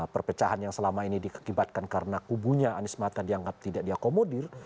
perpecahan yang selama ini diakibatkan karena kubunya anies mata dianggap tidak diakomodir